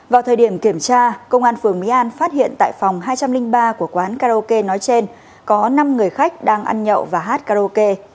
vào thời điểm kiểm tra công an phường mỹ an phát hiện tại phòng hai trăm linh ba của quán karaoke nói trên có năm người khách đang ăn nhậu và hát karaoke